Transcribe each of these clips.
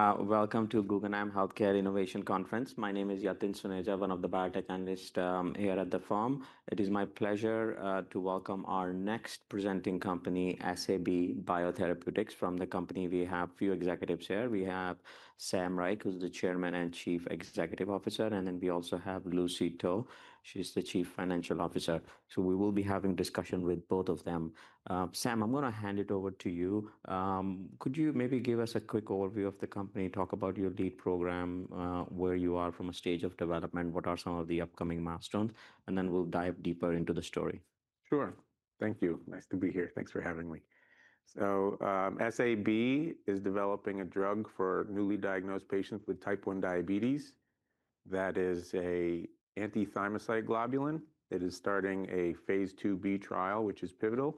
Welcome to Guggenheim Healthcare Innovation Conference. My name is Yatin Suneja, one of the biotech analysts here at the firm. It is my pleasure to welcome our next presenting company, SAB Biotherapeutics. From the company, we have a few executives here. We have Sam Reich, who's the Chairman and Chief Executive Officer, and then we also have Lucy To. She's the Chief Financial Officer, so we will be having a discussion with both of them. Sam, I'm going to hand it over to you. Could you maybe give us a quick overview of the company, talk about your lead program, where you are from a stage of development, what are some of the upcoming milestones, and then we'll dive deeper into the story? Sure. Thank you. Nice to be here. Thanks for having me. SAB is developing a drug for newly diagnosed patients with type 1 diabetes. That is an anti-thymocyte globulin that is starting a phase 2b trial, which is pivotal.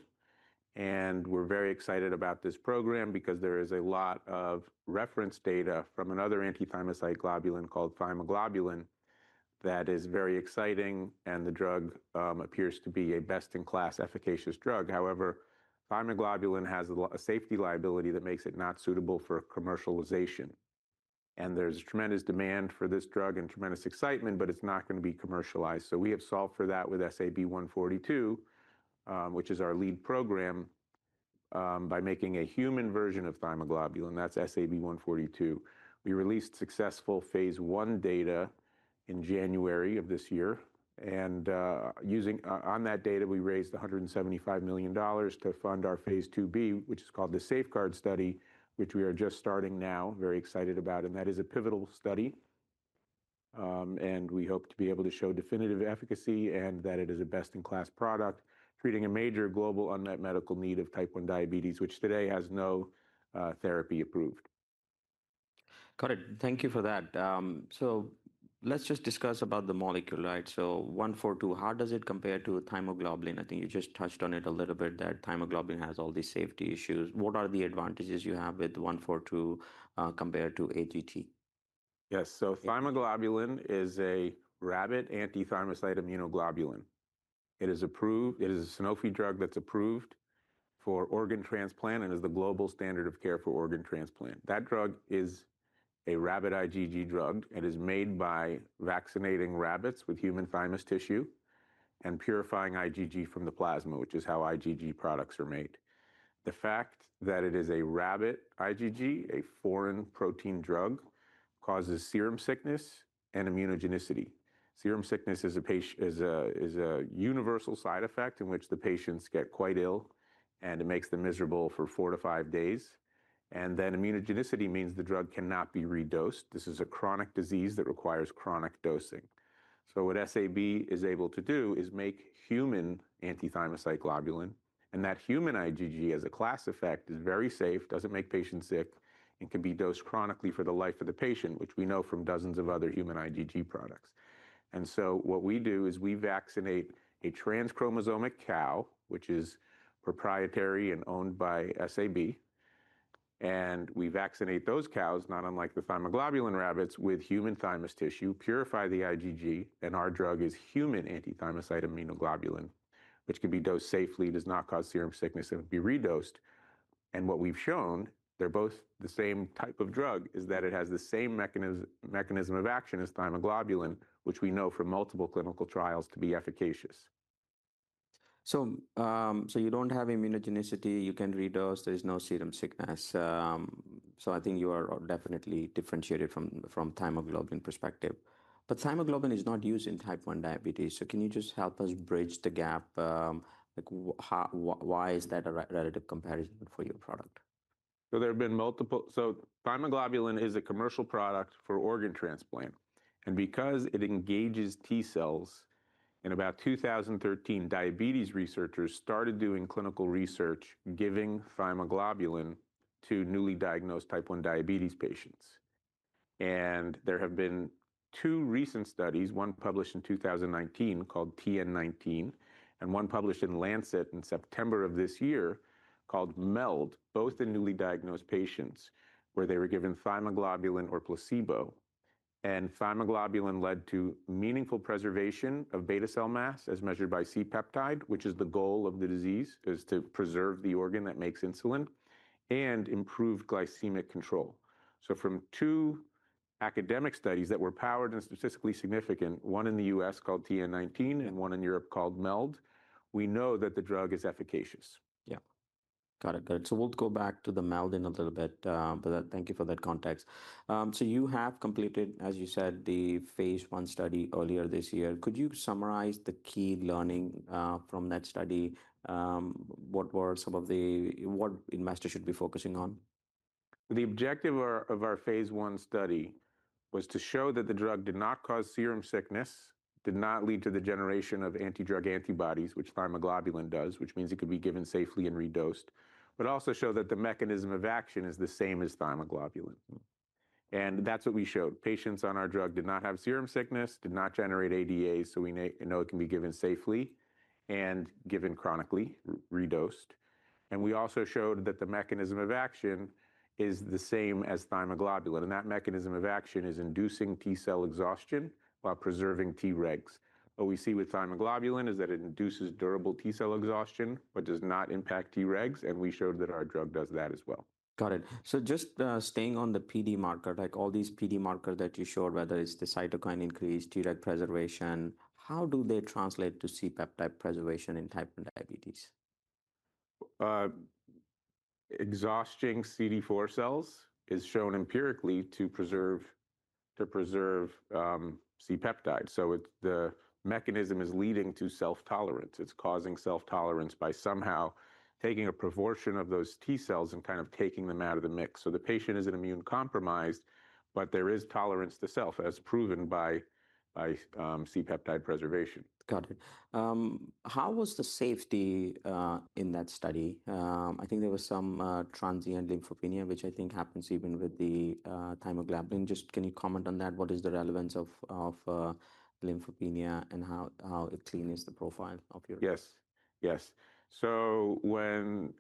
We're very excited about this program because there is a lot of reference data from another anti-thymocyte globulin called Thymoglobulin that is very exciting, and the drug appears to be a best-in-class efficacious drug. However, Thymoglobulin has a safety liability that makes it not suitable for commercialization. There's tremendous demand for this drug and tremendous excitement, but it's not going to be commercialized. We have solved for that with SAB-142, which is our lead program, by making a human version of Thymoglobulin. That's SAB-142. We released successful phase 1 data in January of this year. On that data, we raised $175 million to fund our phase 2b, which is called the Safeguard Study, which we are just starting now, very excited about. That is a pivotal study. We hope to be able to show definitive efficacy and that it is a best-in-class product treating a major global unmet medical need of type 1 diabetes, which today has no therapy approved. Got it. Thank you for that. So let's just discuss about the molecule, right? So 142, how does it compare to Thymoglobulin? I think you just touched on it a little bit, that Thymoglobulin has all these safety issues. What are the advantages you have with 142 compared to ATG? Yes. So Thymoglobulin is a rabbit anti-thymocyte immunoglobulin. It is approved. It is a Sanofi drug that's approved for organ transplant and is the global standard of care for organ transplant. That drug is a rabbit IgG drug. It is made by vaccinating rabbits with human thymus tissue and purifying IgG from the plasma, which is how IgG products are made. The fact that it is a rabbit IgG, a foreign protein drug, causes serum sickness and immunogenicity. Serum sickness is a universal side effect in which the patients get quite ill, and it makes them miserable for four to five days. And then immunogenicity means the drug cannot be redosed. This is a chronic disease that requires chronic dosing. So what SAB is able to do is make human anti-thymocyte globulin. And that human IgG, as a class effect, is very safe, doesn't make patients sick, and can be dosed chronically for the life of the patient, which we know from dozens of other human IgG products. And so what we do is we vaccinate a transchromosomic cow, which is proprietary and owned by SAB. And we vaccinate those cows, not unlike the Thymoglobulin rabbits, with human thymus tissue, purify the IgG, and our drug is human anti-thymocyte immunoglobulin, which can be dosed safely, does not cause serum sickness, and can be redosed. And what we've shown, they're both the same type of drug, is that it has the same mechanism of action as Thymoglobulin, which we know from multiple clinical trials to be efficacious. So you don't have immunogenicity. You can redose. There is no serum sickness. So I think you are definitely differentiated from Thymoglobulin perspective. But Thymoglobulin is not used in type 1 diabetes. So can you just help us bridge the gap? Why is that a relative comparison for your product? There have been multiple. Thymoglobulin is a commercial product for organ transplant. Because it engages T-cells, in about 2013, diabetes researchers started doing clinical research giving Thymoglobulin to newly diagnosed type 1 diabetes patients. There have been two recent studies, one published in 2019 called TN19 and one published in Lancet in September of this year called MELD, both in newly diagnosed patients where they were given Thymoglobulin or placebo. Thymoglobulin led to meaningful preservation of beta cell mass as measured by C-peptide, which is the goal of the disease, is to preserve the organ that makes insulin and improve glycemic control. From two academic studies that were powered and statistically significant, one in the U.S. called TN19 and one in Europe called MELD, we know that the drug is efficacious. Yeah. Got it. Got it. So we'll go back to the MELD in a little bit. But thank you for that context. So you have completed, as you said, the phase 1 study earlier this year. Could you summarize the key learning from that study? What were some of the what investors should be focusing on? The objective of our phase 1 study was to show that the drug did not cause serum sickness, did not lead to the generation of anti-drug antibodies, which Thymoglobulin does, which means it could be given safely and redosed, but also show that the mechanism of action is the same as Thymoglobulin. And that's what we showed. Patients on our drug did not have serum sickness, did not generate ADAs, so we know it can be given safely and given chronically, redosed. And we also showed that the mechanism of action is the same as Thymoglobulin. And that mechanism of action is inducing T-cell exhaustion while preserving Tregs. What we see with Thymoglobulin is that it induces durable T-cell exhaustion but does not impact Tregs. And we showed that our drug does that as well. Got it. So just staying on the PD marker, like all these PD markers that you showed, whether it's the cytokine increase, T reg preservation, how do they translate to C-peptide preservation in type 1 diabetes? Exhausting CD4 cells is shown empirically to preserve C-peptide. So the mechanism is leading to self-tolerance. It's causing self-tolerance by somehow taking a proportion of those T-cells and kind of taking them out of the mix. So the patient isn't immunocompromised, but there is tolerance to self, as proven by C-peptide preservation. Got it. How was the safety in that study? I think there was some transient lymphopenia, which I think happens even with the Thymoglobulin. Just can you comment on that? What is the relevance of lymphopenia and how clean is the profile of your? Yes. Yes. So when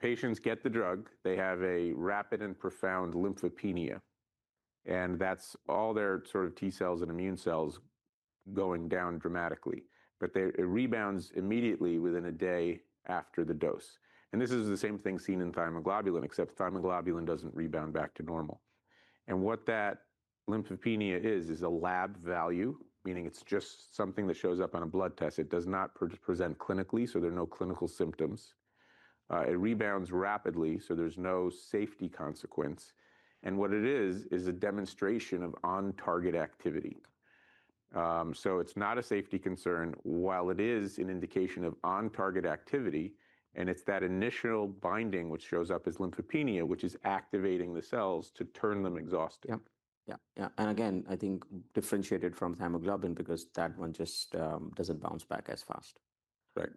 patients get the drug, they have a rapid and profound lymphopenia. And that's all their sort of T-cells and immune cells going down dramatically. But it rebounds immediately within a day after the dose. And this is the same thing seen in thymoglobulin, except thymoglobulin doesn't rebound back to normal. And what that lymphopenia is, is a lab value, meaning it's just something that shows up on a blood test. It does not present clinically, so there are no clinical symptoms. It rebounds rapidly, so there's no safety consequence. And what it is, is a demonstration of on-target activity. So it's not a safety concern, while it is an indication of on-target activity. And it's that initial binding, which shows up as lymphopenia, which is activating the cells to turn them exhausted. Yeah. Yeah. Yeah. And again, I think differentiated from Thymoglobulin because that one just doesn't bounce back as fast. Right.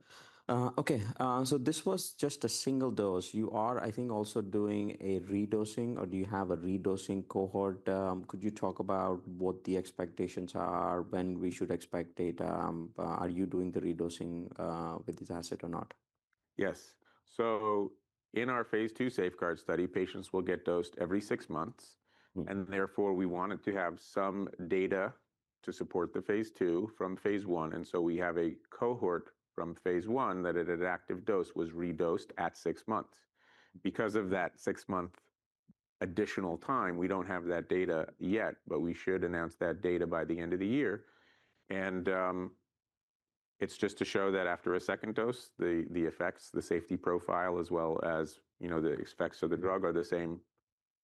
Okay. So this was just a single dose. You are, I think, also doing a redosing, or do you have a redosing cohort? Could you talk about what the expectations are, when we should expect data? Are you doing the redosing with this asset or not? Yes. So in our phase 2 Safeguard study, patients will get dosed every six months. And therefore, we wanted to have some data to support the phase 2 from phase 1. And so we have a cohort from phase 1 that at an active dose was redosed at six months. Because of that six-month additional time, we don't have that data yet, but we should announce that data by the end of the year. And it's just to show that after a second dose, the effects, the safety profile, as well as the effects of the drug are the same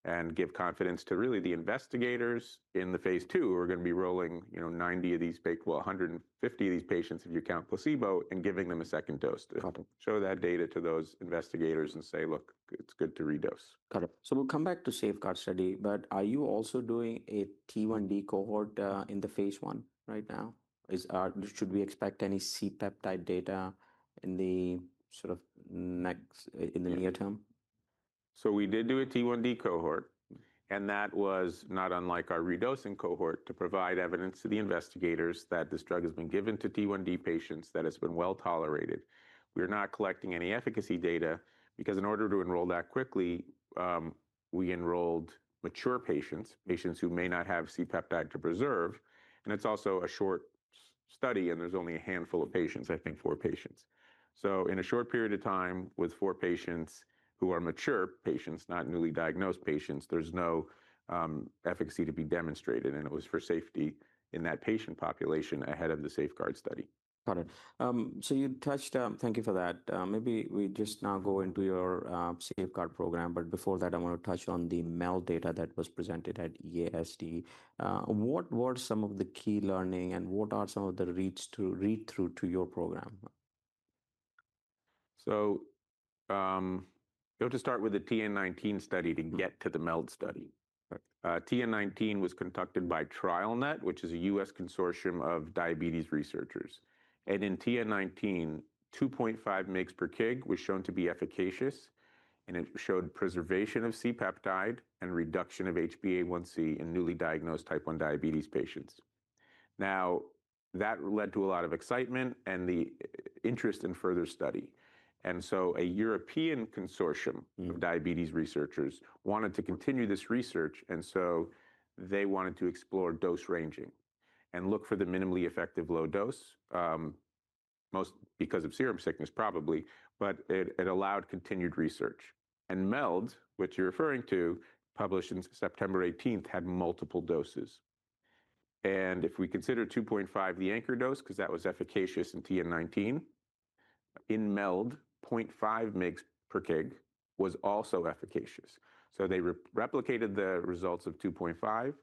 and give confidence to really the investigators in the phase 2 who are going to be rolling 90 of these, 150 of these patients if you count placebo and giving them a second dose. Got it. Show that data to those investigators and say, look, it's good to redose. Got it. So we'll come back to Safeguard study. But are you also doing a T1D cohort in the phase 1 right now? Should we expect any C-peptide data in the sort of next in the near term? We did do a T1D cohort. That was not unlike our redosing cohort to provide evidence to the investigators that this drug has been given to T1D patients that has been well tolerated. We're not collecting any efficacy data because in order to enroll that quickly, we enrolled mature patients, patients who may not have C-peptide to preserve. It's also a short study, and there's only a handful of patients, I think four patients. In a short period of time with four patients who are mature patients, not newly diagnosed patients, there's no efficacy to be demonstrated. It was for safety in that patient population ahead of the Safeguard study. Got it. So you touched thank you for that. Maybe we just now go into your Safeguard program. But before that, I want to touch on the MELD data that was presented at EASD. What were some of the key learning and what are some of the reads through to your program? So we have to start with the TN19 study to get to the MELD study. TN19 was conducted by TrialNet, which is a U.S. consortium of diabetes researchers. And in TN19, 2.5 mg per kg was shown to be efficacious. And it showed preservation of C-peptide and reduction of HbA1c in newly diagnosed type 1 diabetes patients. Now, that led to a lot of excitement and the interest in further study. And so a European consortium of diabetes researchers wanted to continue this research. And so they wanted to explore dose ranging and look for the minimally effective low dose, mostly because of serum sickness, probably. But it allowed continued research. And MELD, which you're referring to, published on September 18, had multiple doses. And if we consider 2.5 the anchor dose, because that was efficacious in TN19, in MELD, 0.5 mg per kg was also efficacious. They replicated the results of 2.5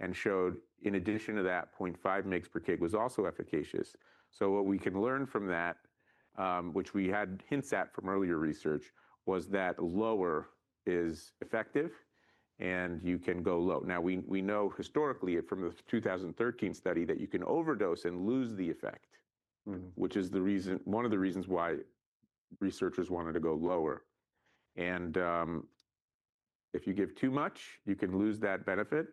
and showed, in addition to that, 0.5 mg per kg was also efficacious. What we can learn from that, which we had hints at from earlier research, was that lower is effective, and you can go low. Now, we know historically from the 2013 study that you can overdose and lose the effect, which is one of the reasons why researchers wanted to go lower. If you give too much, you can lose that benefit.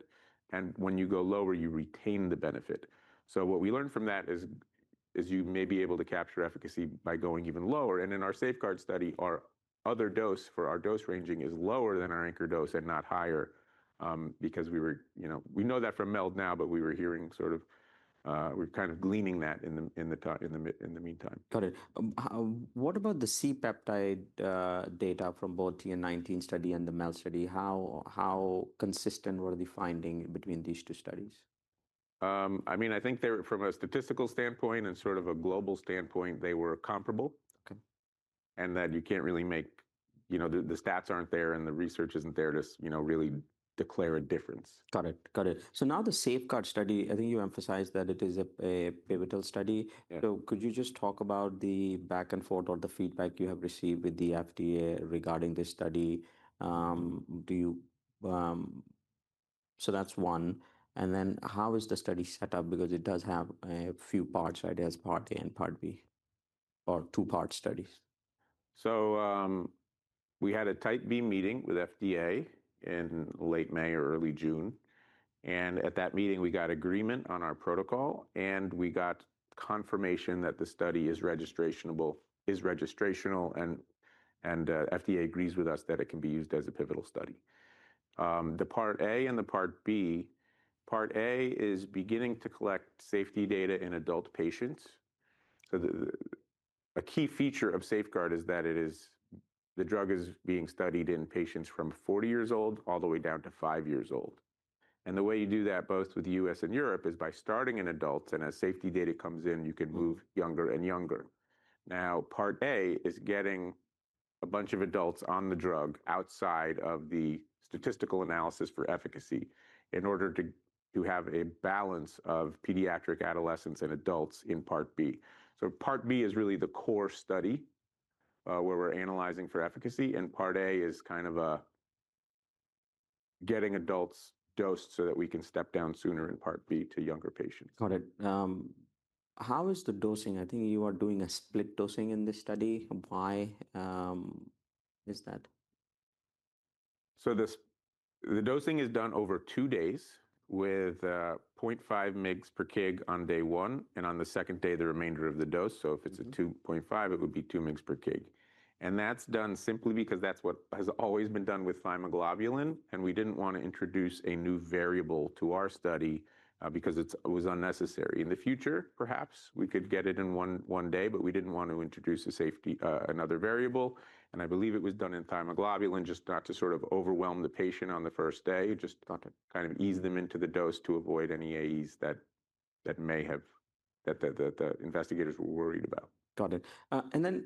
When you go lower, you retain the benefit. What we learned from that is you may be able to capture efficacy by going even lower. In our Safeguard study, our other dose for our dose ranging is lower than our anchor dose and not higher because we know that from MELD now, but we were hearing sort of we're kind of gleaning that in the meantime. Got it. What about the C-peptide data from both TN19 study and the MELD study? How consistent were the findings between these two studies? I mean, I think from a statistical standpoint and sort of a global standpoint, they were comparable. And that you can't really make the stats aren't there, and the research isn't there to really declare a difference. Got it. Got it. So now the Safeguard study, I think you emphasized that it is a pivotal study. So could you just talk about the back and forth or the feedback you have received with the FDA regarding this study? So that's one. And then how is the study set up? Because it does have a few parts, right, as part A and part B or two-part studies? So we had a type B meeting with FDA in late May or early June. And at that meeting, we got agreement on our protocol. And we got confirmation that the study is registrational and FDA agrees with us that it can be used as a pivotal study. The Part A and the Part B, Part A is beginning to collect safety data in adult patients. So a key feature of Safeguard is that the drug is being studied in patients from 40 years old all the way down to five years old. And the way you do that, both with the U.S. and Europe, is by starting in adults. And as safety data comes in, you can move younger and younger. Now, part A is getting a bunch of adults on the drug outside of the statistical analysis for efficacy in order to have a balance of pediatric adolescents and adults in part B, so part B is really the core study where we're analyzing for efficacy, and part A is kind of getting adults dosed so that we can step down sooner in part B to younger patients. Got it. How is the dosing? I think you are doing a split dosing in this study. Why is that? The dosing is done over two days with 0.5 mg per kg on day one and on the second day, the remainder of the dose. So if it's a 2.5, it would be 2 mg per kg. And that's done simply because that's what has always been done with Thymoglobulin. And we didn't want to introduce a new variable to our study because it was unnecessary. In the future, perhaps we could get it in one day, but we didn't want to introduce another variable. And I believe it was done in Thymoglobulin just not to sort of overwhelm the patient on the first day, just kind of ease them into the dose to avoid any AEs that the investigators were worried about. Got it. And then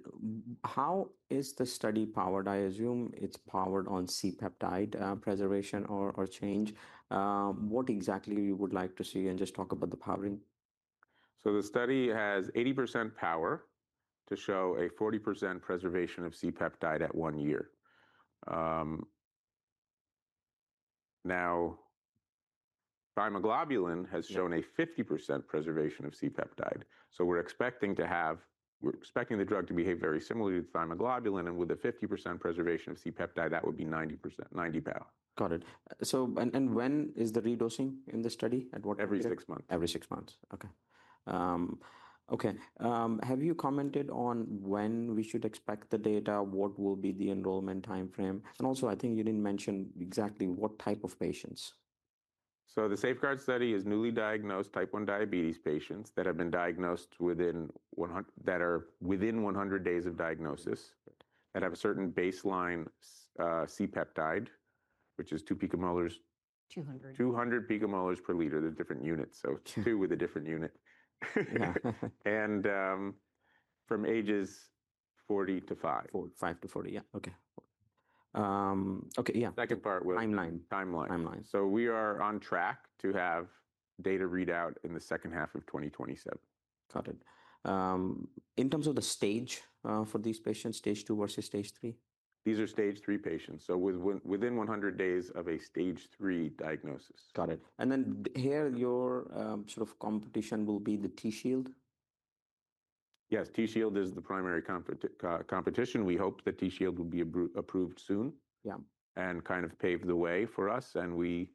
how is the study powered? I assume it's powered on C-peptide preservation or change. What exactly you would like to see and just talk about the powering? So the study has 80% power to show a 40% preservation of C-peptide at one year. Now, thymoglobulin has shown a 50% preservation of C-peptide. So we're expecting the drug to behave very similarly to thymoglobulin. And with a 50% preservation of C-peptide, that would be 90%, 90 power. Got it. And when is the redosing in the study? Every six months. Every six months. Okay. Okay. Have you commented on when we should expect the data? What will be the enrollment time frame? And also, I think you didn't mention exactly what type of patients. The Safeguard study is newly diagnosed type 1 diabetes patients that have been diagnosed within 100 days of diagnosis that have a certain baseline C-peptide, which is two picomoles. 200. 200 picomoles per liter. They're different units, so too with a different unit. And from ages 40 to 5. 5 to 40. Yeah. Okay. Okay. Yeah. Second part was. Timeline. Timeline. We are on track to have data readout in the second half of 2027. Got it. In terms of the stage for these patients, stage 2 versus stage 3? These are Stage 3 patients, so within 100 days of a Stage 3 diagnosis. Got it. And then here, your sort of competition will be the Tzield? Yes. Tzield is the primary competition. We hope that Tzield will be approved soon and kind of pave the way for us. And we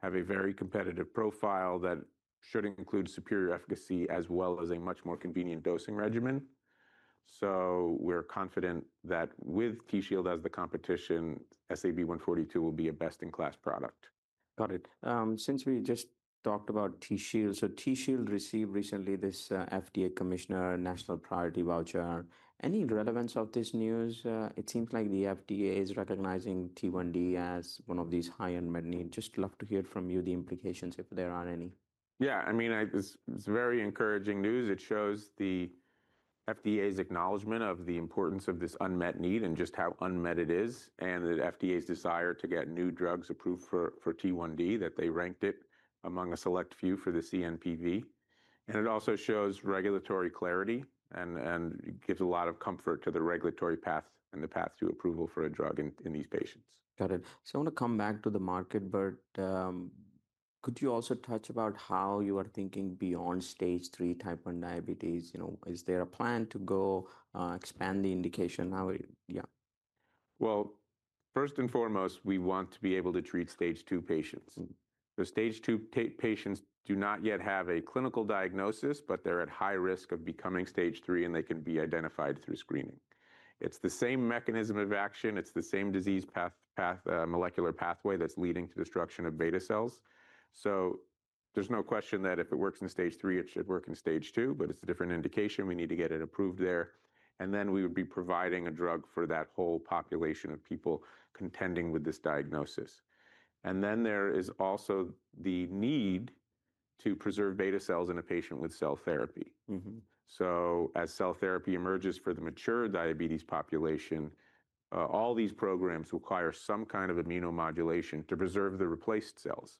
have a very competitive profile that should include superior efficacy as well as a much more convenient dosing regimen. So we're confident that with Tzield as the competition, SAB-142 will be a best-in-class product. Got it. Since we just talked about Tzield, so Tzield received recently this FDA Commissioner National Priority Voucher. Any relevance of this news? It seems like the FDA is recognizing T1D as one of these high unmet needs. Just love to hear from you the implications if there are any. Yeah. I mean, it's very encouraging news. It shows the FDA's acknowledgment of the importance of this unmet need and just how unmet it is and the FDA's desire to get new drugs approved for T1D that they ranked it among a select few for the CNPV, and it also shows regulatory clarity and gives a lot of comfort to the regulatory path and the path to approval for a drug in these patients. Got it. So I want to come back to the market, but could you also touch about how you are thinking beyond Stage 3 type 1 diabetes? Is there a plan to go expand the indication? Yeah. First and foremost, we want to be able to treat Stage 2 patients. The Stage 2 patients do not yet have a clinical diagnosis, but they're at high risk of becoming Stage 3, and they can be identified through screening. It's the same mechanism of action. It's the same disease molecular pathway that's leading to destruction of beta cells, so there's no question that if it works in Stage 3, it should work in Stage 2, but it's a different indication. We need to get it approved there, and then we would be providing a drug for that whole population of people contending with this diagnosis, and then there is also the need to preserve beta cells in a patient with cell therapy, so as cell therapy emerges for the mature diabetes population, all these programs require some kind of immunomodulation to preserve the replaced cells.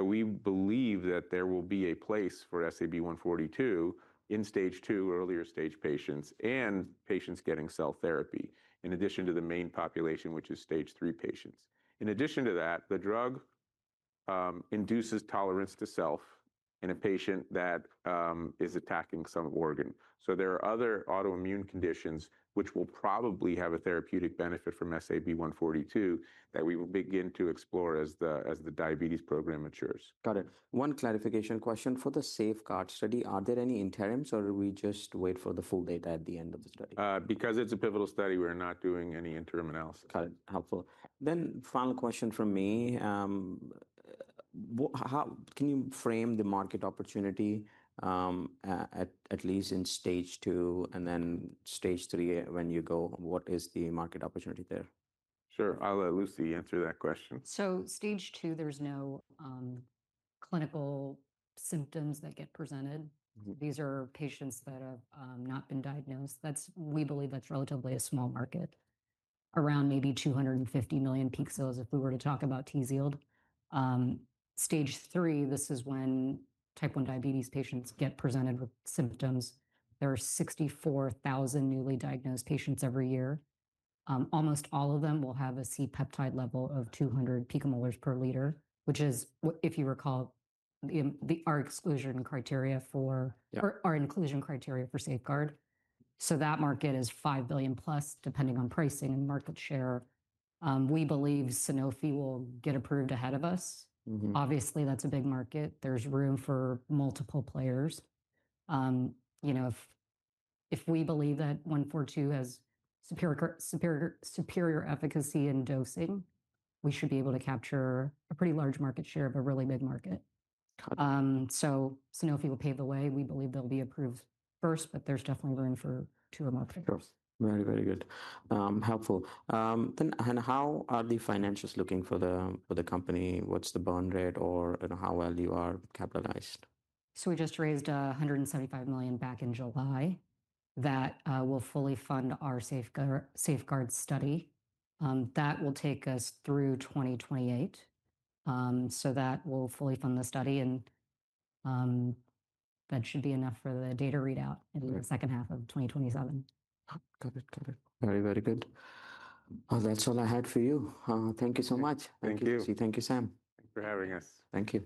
We believe that there will be a place for SAB-142 in Stage 2 earlier stage patients and patients getting cell therapy in addition to the main population, which is Stage 3 patients. In addition to that, the drug induces tolerance to self in a patient that is attacking some organ. There are other autoimmune conditions which will probably have a therapeutic benefit from SAB-142 that we will begin to explore as the diabetes program matures. Got it. One clarification question. For the Safeguard study, are there any interims, or do we just wait for the full data at the end of the study? Because it's a pivotal study, we're not doing any interim analysis. Got it. Helpful. Then final question from me. Can you frame the market opportunity, at least in stage 2 and then stage 3 when you go? What is the market opportunity there? Sure. I'll let Lucy answer that question. Stage 2, there's no clinical symptoms that get presented. These are patients that have not been diagnosed. We believe that's relatively a small market, around maybe $250 million if we were to talk about Tzield. Stage 3, this is when type 1 diabetes patients get presented with symptoms. There are 64,000 newly diagnosed patients every year. Almost all of them will have a C-peptide level of 200 picomolars per liter, which is, if you recall, our inclusion criteria for Safeguard. That market is $5 billion plus, depending on pricing and market share. We believe Sanofi will get approved ahead of us. Obviously, that's a big market. There's room for multiple players. If we believe that 142 has superior efficacy in dosing, we should be able to capture a pretty large market share of a really big market. Sanofi will pave the way. We believe they'll be approved first, but there's definitely room for two more patients. Very, very good. Helpful. And how are the financials looking for the company? What's the burn rate or how well you are capitalized? We just raised $175 million back in July that will fully fund our Safeguard study. That will take us through 2028. That will fully fund the study. That should be enough for the data readout in the second half of 2027. Got it. Got it. Very, very good. That's all I had for you. Thank you so much. Thank you. Thank you, Sam. Thanks for having us. Thank you.